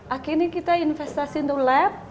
akhirnya kita investasi untuk lab